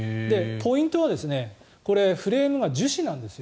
ポイントはフレームが樹脂なんですよ。